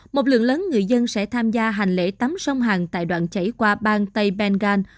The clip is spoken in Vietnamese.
một lượng lớn người dân sẽ tham gia hành lễ tắm sông hằng tại đoạn chảy qua bang tây bengal